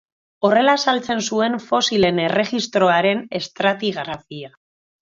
Horrela azaltzen zuen fosilen erregistroaren estratigrafia.